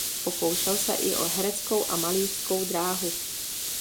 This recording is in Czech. Pokoušel se i o hereckou a malířskou dráhu.